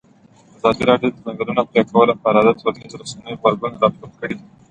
ازادي راډیو د د ځنګلونو پرېکول په اړه د ټولنیزو رسنیو غبرګونونه راټول کړي.